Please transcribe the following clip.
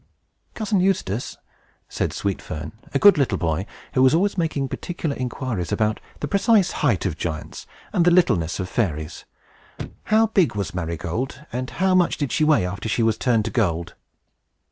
"Cousin Eustace," said Sweet Fern, a good little boy, who was always making particular inquiries about the precise height of giants and the littleness of fairies, "how big was Marygold, and how much did she weigh after she was turned to gold?"